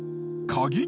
鍵？